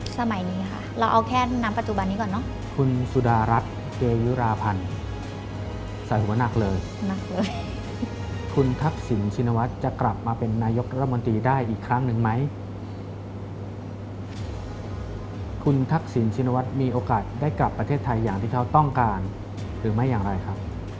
สมัยนี้ค่ะเราเอาแค่นามปัจจุบันนี้ก่อนเนาะ